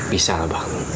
bisa lah bang